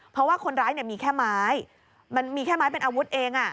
เพราะว่าคนร้ายมีแค่ไม้มันมีแค่ไม้เป็นอาวุธเอง